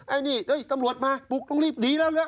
ไอ้นี่ตำรวจมาปลูกต้องรีบหนีแล้ว